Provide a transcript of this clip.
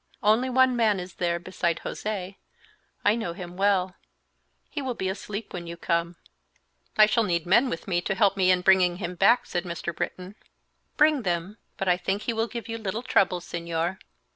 Only one man is there beside José; I know him well; he will be asleep when you come." "I shall need men with me to help in bringing him back," said Mr. Britton. "Bring them, but I think he will give you little trouble, Señor."